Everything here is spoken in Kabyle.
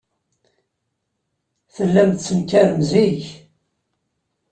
Tellam tettenkarem zik.